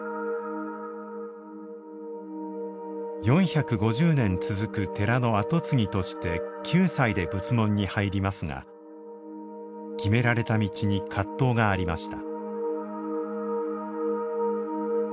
４５０年続く寺の跡継ぎとして９歳で仏門に入りますが決められた道に葛藤がありました。